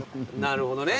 なるほどね。